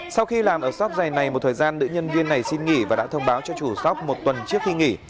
sau khi làm ở shop giày này một thời gian nữ nhân viên này xin nghỉ và đã thông báo cho chủ shop một tuần trước khi nghỉ